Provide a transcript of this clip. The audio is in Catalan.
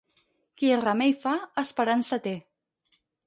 Qui remei fa, esperança té.